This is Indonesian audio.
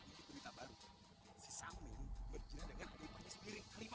ini berita baru si samir bergina dengan adik adik sendiri kelima